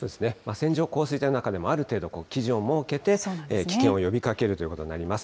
線状降水帯の中でもある程度、基準を設けて危険を呼びかけるということになります。